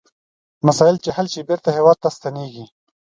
چې مسایل حل شي بیرته هیواد ته ستنیږي.